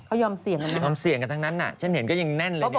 เขายอมเสี่ยงกันทั้งนั้นน่ะฉันเห็นก็ยังแน่นเลย